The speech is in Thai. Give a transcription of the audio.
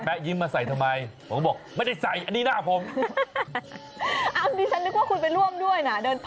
ผมอยู่ตรงไหน